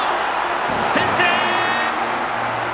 先制！